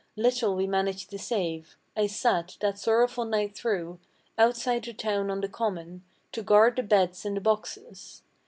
Little we managed to save. I sat, that sorrowful night through, Outside the town on the common, to guard the beds and the boxes.